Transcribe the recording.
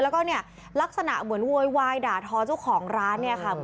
แล้วก็เนี่ยลักษณะเหมือนโวยวายด่าทอเจ้าของร้านเนี่ยค่ะ